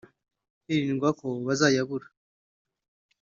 hirindwa ko bazayabura